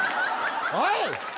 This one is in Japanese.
おい！